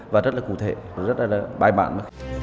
và rất là cụ thể rất là bài bản